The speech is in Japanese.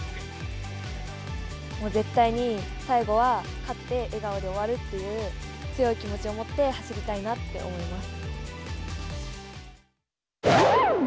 絶対に最後は勝って笑顔で終わるっていう、強い気持ちを持って走りたいなって思います。